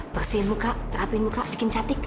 bersihin muka ngapain muka bikin cantik